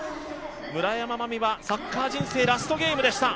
村山茉美はサッカー人生ラストゲームでした。